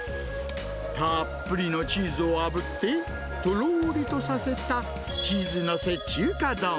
たっぷりのチーズをあぶって、とろーりとさせたチーズ載せ中華丼。